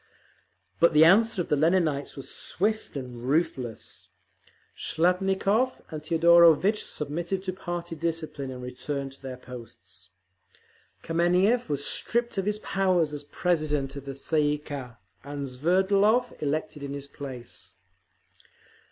But the answer of the Leninites was swift and ruthless. Shliapnikov and Teodorovitch submitted to party discipline and returned to their posts. Kameniev was stripped of his powers as president of the Tsay ee kah, and Sverdlov elected in his place.